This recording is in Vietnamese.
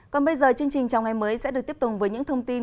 còn bây giờ chương trình chào ngày mới sẽ được tiếp tục với những thông tin